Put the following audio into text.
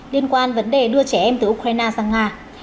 liên quan vấn đề đưa trẻ em từ ukraine sang nga